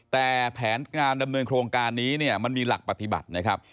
แต่แผนการดำเนินโครงการนี้เนี่ยมันมีหลักปฏิบัตินะครับ